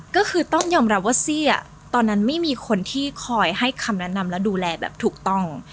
ก็คือต้องยอมรับว่าเสี้ยตอนนั้นไม่มีคนที่คอยให้คำแนะนำและดูแลแบบถูกต้อง